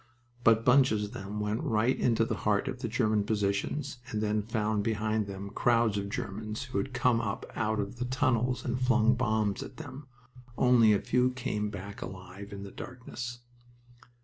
But bunches of them went right into the heart of the German positions, and then found behind them crowds of Germans who had come up out of their tunnels and flung bombs at them. Only a few came back alive in the darkness.